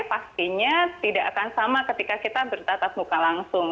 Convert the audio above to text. pastinya tidak akan sama ketika kita bertatap muka langsung